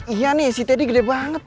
iya nih si teddy gede banget